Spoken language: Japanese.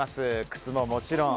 靴ももちろん。